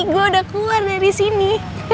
gue udah keluar dari sini